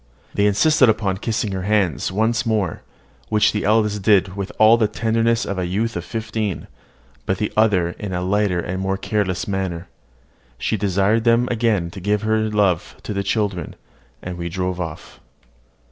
They insisted upon kissing her hands once more; which the eldest did with all the tenderness of a youth of fifteen, but the other in a lighter and more careless manner. She desired them again to give her love to the children, and we drove off.